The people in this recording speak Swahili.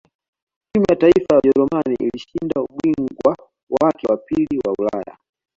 timu ya taifa ya ujerumani ilishinda ubingwa wake wa pili wa ulaya